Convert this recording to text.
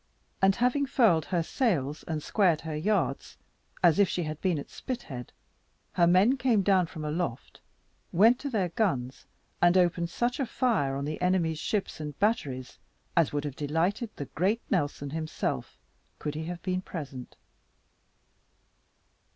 And having furled her sails, and squared her yards, as if she had been at Spithead, her men came down from aloft, went to their guns, and opened such a fire on the enemy's ships and batteries, as would have delighted the great Nelson himself, could he have been present.